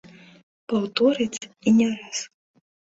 Паўторыць і не раз!